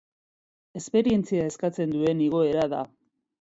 Esperientzia eskatzen duen igoera da.